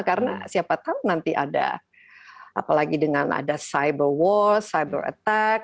karena siapa tahu nanti ada apalagi dengan ada cyber war cyber attack